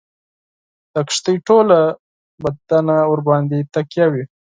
د کښتۍ ټوله بدنه ورباندي تکیه وي.